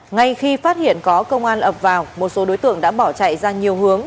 ngay khi phát hiện có công an ập vào một số đối tượng đã bỏ chạy ra nhiều hướng